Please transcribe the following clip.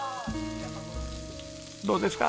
どうですか？